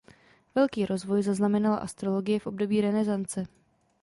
Velký rozvoj zaznamenala astrologie v období renesance.